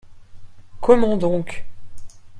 Comment donc ?